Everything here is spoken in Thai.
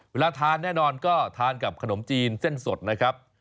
เวลาทานแน่นอนก็ทานกับขนมจีนเส้นสดนะครับ